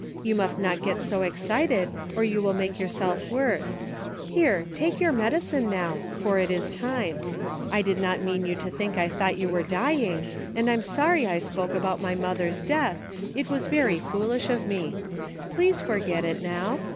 You must not get so excited, or you will make yourself worse. Here, take your medicine now, for it is time. 34 ">4 DAILY bate:' I did not mean you to think I thought you were dying, and I'm sorry I spoke about my mother's death, it was very foolish of me. Please forget it now.